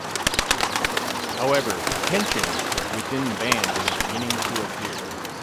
However, tension within the band was beginning to appear.